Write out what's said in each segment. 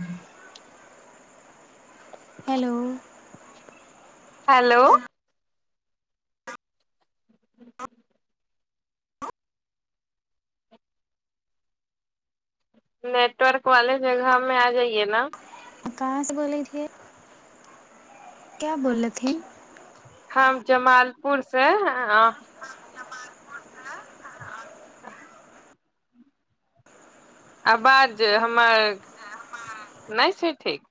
हूँ। Hello. Hello. Network वाले जगहमे आ जाइए न। कहाँ से बोले थे क्या बोले थिन। हम जमालपुर से हं। आबाज हमर नहि छै ठीक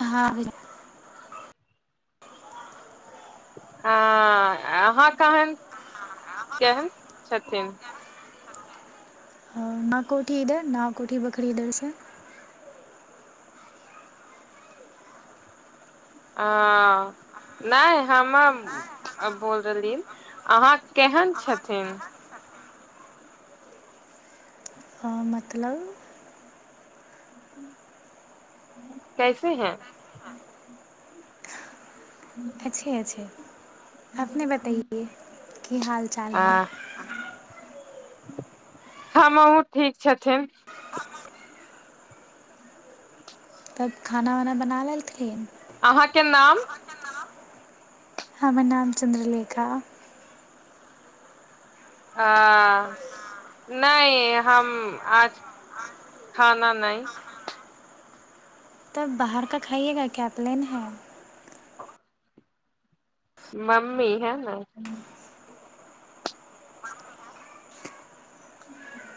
हँ। आ अहाँ केन केहन छथिन न कोठी इधर ना कोठी बखरी इधर से अँ नहि हम मम हम बोल रहली अहाँ केहन छथिन मतलब कैसे हैं अच्छे अच्छे अपने बताइए की हाल चाल है हमहु ठीक छथिन तब खाना वाना बना लेलथिन अहाँ के नाम हमर नाम चन्द्रलेखा ह नहि हम आज खाना नहि तब बाहर का खाइएगा क्या प्लेन है मम्मी है हम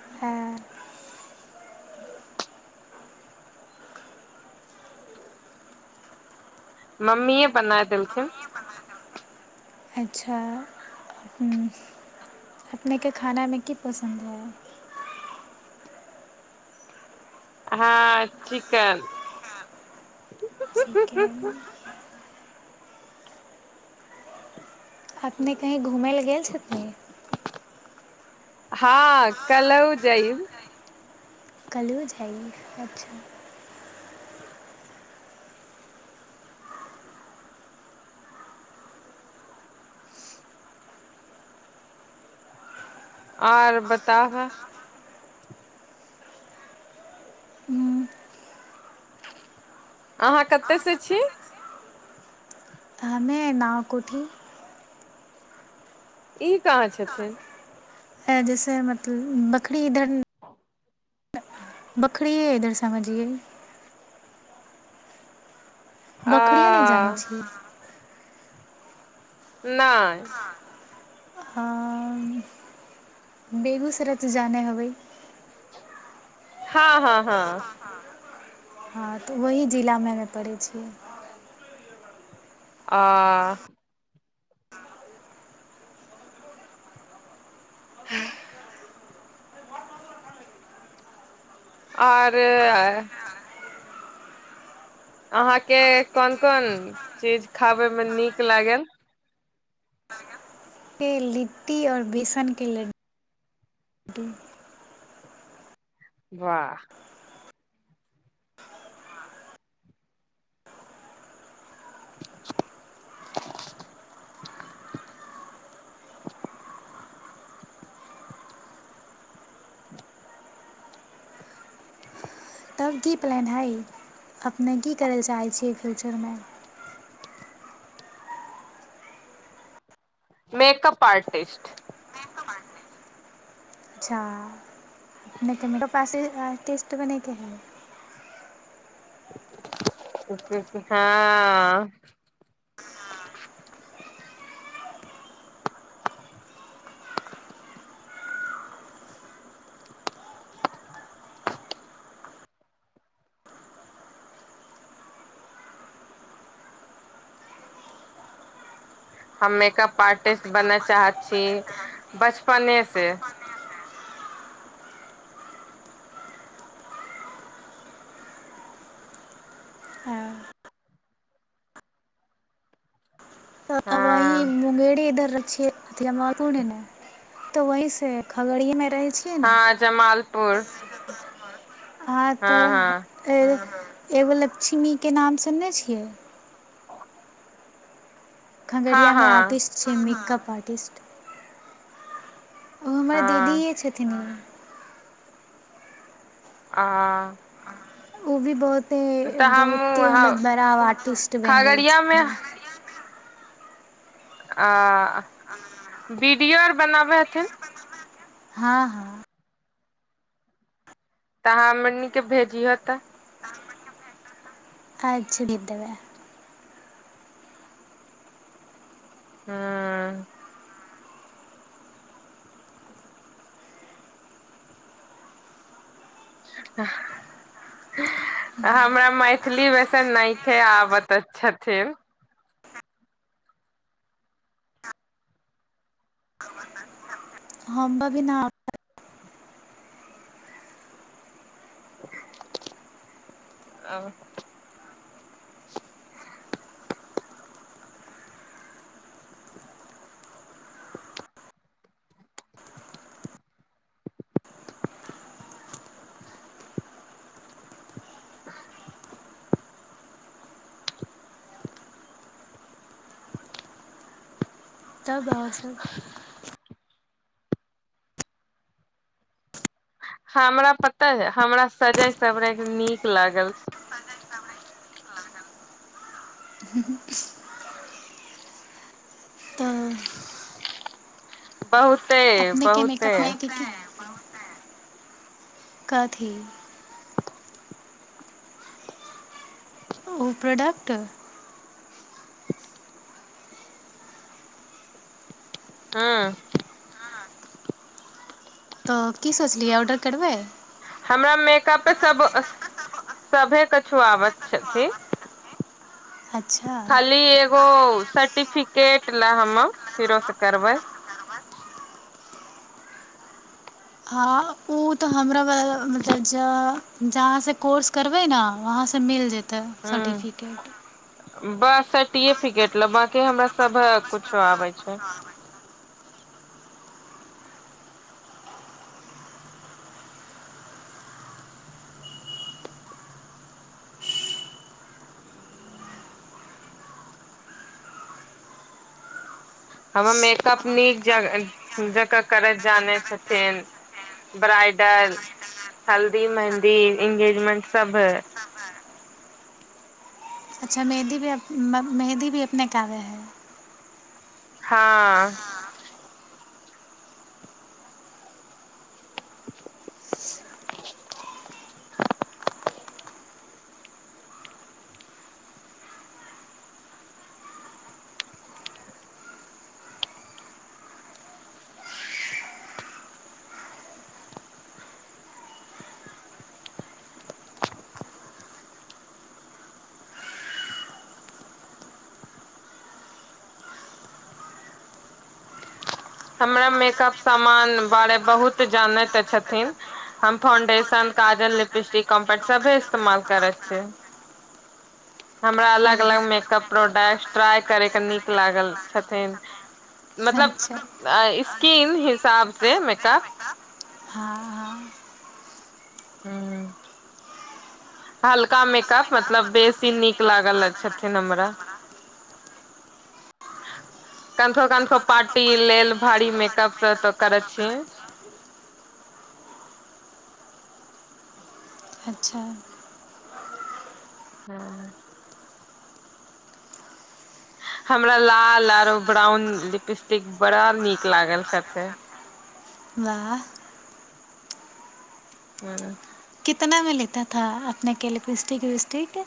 अ, मम्मीए बनाय देलखिन अच्छा हम्म अपनेके खानामे की पसन्द है हाँ चिकन म्मम चिकन अपने कहीँ घुमय लए गेल छथनि हँ कलहु जइब कलहु जाइ अच्छा आर बताब हम्म अहाँ कत से छी हे नाव कोुठी ई कहाँ छथिन एँ जैसे मत बकरी बखरी इधर समझियऐ आ बकरीयो नहि जानैत छिय नय अ, बेगूसराय त जाने होबै हाँ हाँ हाँ हाँ हँ तऽ ओही जिलामे हमे परै छियै आ आर अहाँ के कोन कोन चीज खाबै मे नीक लागल लिट्टी और बेसन के लड्डू वाह तब की प्लान हइ अपने की करै लए चाहै छियै फ्यूचरमे? Makeup artist. अच्छा अपनेके मेकअप आसि आटिस्ट बने के हय? [unintelligible] हँ हम मेकअप आर्टिस्ट बनय चाहैत छी बचपने से। अ, त आबाइ हँ मुँंगेर इधर अछि। जमालपुर हिने तऽ वही से खगड़ी मे रहै छी। हँ जमालपुर हँ तऽ एगो लक्ष्मीके नाम सुनने छियै? ह [inaudible] खगड़ियामे आर्टिस्ट छै मेकअप आर्टिस्ट। ओ हमर हँ दीदीए छथिन हन। आ ओ भी बहुते, तऽ बहुते हमहूँ मतलब बड़ा आब आर्टिस्ट बनि गेल खगड़िया मे छथिन। आ वीडियो आर बनाबै हेथिन। हँ-हँ तऽ हमनिके भेजिह तऽ। अच्छा भे [unintelligible] देबै हू ह [unintelligible] हमरा मैथिली वैसे नइखे आबत छथिन। [unintelligible] हम्ब भी ना [inaudible] आ [inaudible] तब आओर सब? [inaudible] हमरा पता हे हमरा सजय सबरैत नीक लागल। तऽ बहुते देख के बहुते मेकअपमे क [unintelligible] कहथि। ओ प्रोडक्ट हँ तऽ की सोचलियै ऑर्डर करबै? हमरा मेकअपे सब, सभे कछुआबत छथि। अच्छा खाली एगो सर्टिफिकेट लै हम फेरो से करबै। हँ ओ तऽ हमरा मतलब ज [unintelligible] जहाँ से कोर्स करबै ने वहाँसँ मिल जेतै हूँ सर्टिफिकेट। बस सर्टिफिकेट लऽ बाकी हमरा सब कुछो आबै छै। हम मेकअप नीक ज जकह करै जानै छथिन। ब्राइडल, हल्दी, मेहंदी, इंगेजमेंट सब है। अच्छा मेहंदी भी मेहंदी भी अपने के आबै हय। हँ हमरा मेकअप सामान बारे बहुत जानैत छथिन। हम फाउंडेशन, काजल, लिपस्टिक, कॉम्पैक्ट सभे इस्तेमाल करै छीयै। [inaudible] हमरा हइ अलग-अलग मेकअप प्रोडक्ट ट्राइ करयके नीक लागल छथिन। मतलब अच्छा स्किन हिसाब से मेकप हँ-हँ हूं हल्का मेकअप मतलब बेसी नीक लागल छथिन हमरा। [inaudible] कनिको कनिको पार्टी लेल भारी मेकअप स तो करऽ छी। अच्छा। हँ- हमरा लाल आरो ब्राउन लिपस्टिक बड़ा नीक लागल छथि। वाह। हँ- [unintelligible] अपनेके लिपिस्टिक विपिस्टिक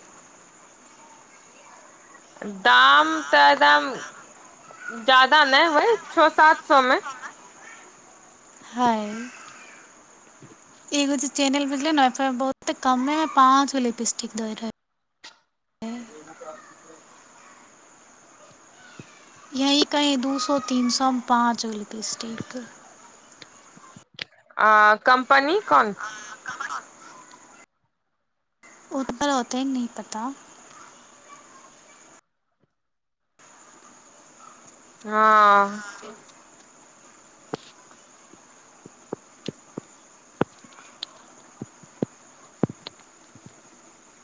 दाम तऽ एकदम जादा नै वएह छ -सात सौ मे। हाय- एगो जे चैनल बुजलैय ने ओपर बहुते कम्मे में पांच गो लिपस्टिक दै रहै। [unintelligible] यहीं कहीँ दू सौ, तीन सौ म पाँच गो लिपस्टिक। आ कम्पनी कोन? उत् पर होतय नहि पता। हँ-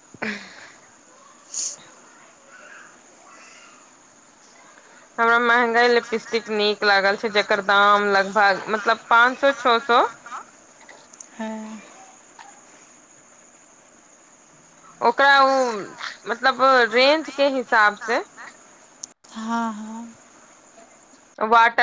[unintelligible] [inaudible] हमरा महंगाई लिपस्टिक नीक लागल छै जेकर दाम लगभग मतलब पांच सौ छओ सौ। हँ ओकरा उ मतलब रेंज के हिसाब से। हँ -हँ- [unintelligible] वाट-